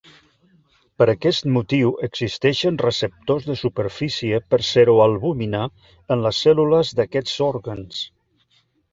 Per aquest motiu existeixen receptors de superfície per seroalbúmina en les cèl·lules d'aquests òrgans.